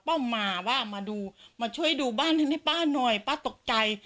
้มมาว่ามาดูมาช่วยดูบ้านฉันให้ป้าหน่อยป้าตกใจ